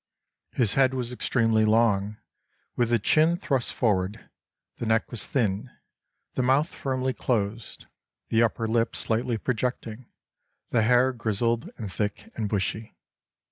His head was extremely long, with the chin thrust forward; the neck was thin; the mouth firmly closed, the under lip slightly projecting; the hair grizzled and thick and bushy.